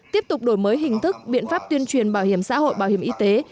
tiếp tục đổi mới hình thức biện pháp tuyên truyền bảo hiểm xã hội bảo hiểm y tế